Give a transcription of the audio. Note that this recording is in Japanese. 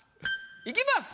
いきます。